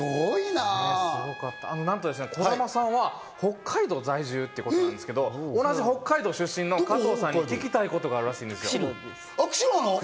なんと児玉さんは北海道在住ということなんですけど同じ北海道出身の加藤さんに聞きたいことがあるらしいです。